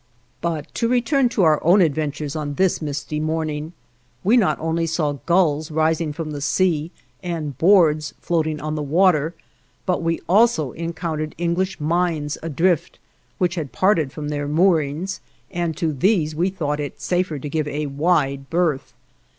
But to return to our own adventures on this misty morning; we not only saw gulls rising from the sea, and boards floating on the water, but we also encountered English mines adrift, which had parted from their moorings, and to these we thought it safer to give a wide berth.